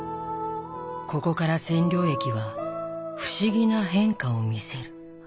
ここから染料液は不思議な変化を見せる。